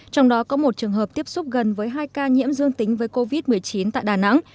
trong đó có một trường hợp tiếp xúc gần với hai ca nhiễm dương tính với covid một mươi chín tại đà nẵng